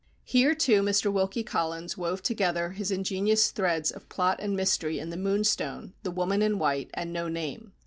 Here, too, Mr. Wilkie Collins wove together his ingenious threads of plot and mystery in "The Moonstone," "The Woman in White," and "No Name."